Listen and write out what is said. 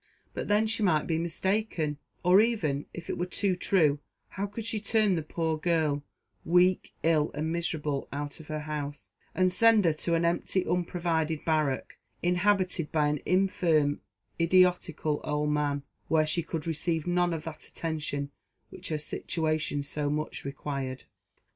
But then, she might be mistaken or even, if it were too true how could she turn the poor girl, weak, ill, and miserable, out of her house, and send her to an empty unprovided barrack, inhabited by an infirm, idiotical old man, where she could receive none of that attention which her situation so much required?